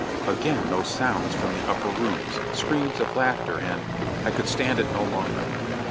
Again those sounds from the upper rooms, screams of laughter and — I could stand it no longer.